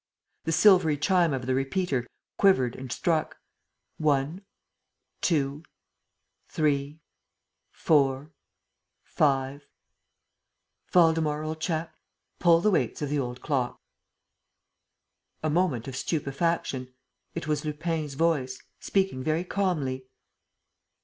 The silvery chime of the repeater quivered and struck ... one, two, three, four, five ... "Waldemar, old chap, pull the weights of the old clock." A moment of stupefaction. It was Lupin's voice, speaking very calmly.